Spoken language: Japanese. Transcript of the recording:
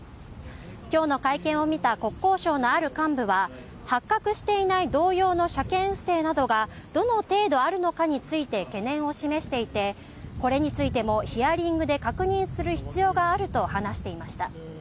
今日の会見を見た国交省のある幹部は発覚していない同様の車検不正などがどの程度あるのかについて懸念を示していてこれについてもヒアリングで確認する必要があると話していました。